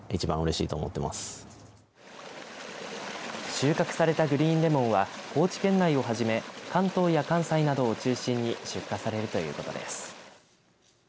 収穫されたグリーンレモンは高知県内をはじめ関東や関西などを中心に出荷されるということです。